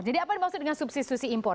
jadi apa maksudnya substitusi impor